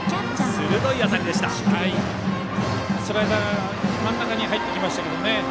スライダーが真ん中に入ってきましたけどね。